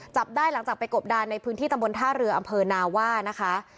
จับได้หลังจากไปกบดานในพื้นที่ตำบลท่าเรืออำเภอนาว่านะคะ